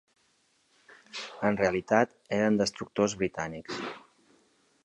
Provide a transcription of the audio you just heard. En realitat, eren destructors britànics